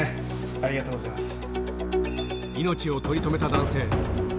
ありがとうございます。